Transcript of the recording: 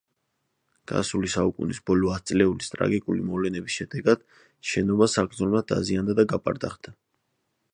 გასული საუკუნის ბოლო ათწლეულის ტრაგიკული მოვლენების შედეგად შენობა საგრძნობლად დაზიანდა და გაპარტახდა.